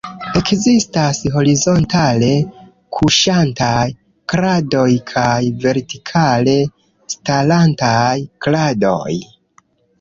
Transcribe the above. Ekzistas horizontale kuŝantaj kradoj kaj vertikale starantaj kradoj.